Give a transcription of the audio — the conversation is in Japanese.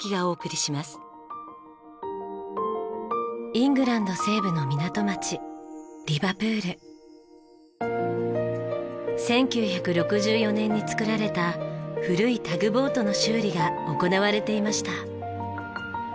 イングランド西部の港町１９６４年に造られた古いタグボートの修理が行われていました。